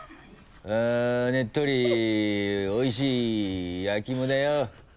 ねっとりおいしい焼き芋だよ。